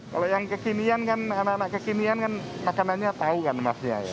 kalau yang kekinian kan anak anak kekinian kan makanannya tahu kan emasnya ya